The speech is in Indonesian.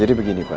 biar di beginipan